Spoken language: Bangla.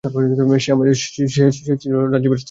সে আমার ছেলে রাজবীরের স্ত্রী।